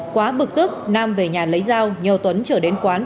quá bực tức nam về nhà lấy dao nhờ tuấn trở đến quán